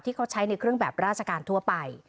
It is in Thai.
ที่เขาใช้ในเครื่องแบบราชการทั่วไป